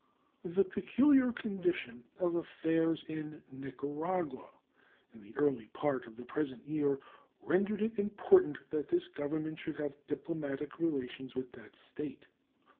The peculiar condition of affairs in Nicaragua in the early part of the present year rendered it important that this Government should have diplomatic relations with that State.